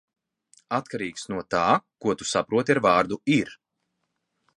Atkarīgs no tā, ko tu saproti ar vārdu "ir".